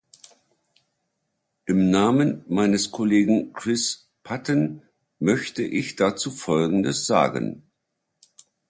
Im Namen meines Kollegen Chris Patten möchte ich dazu folgendes sagen.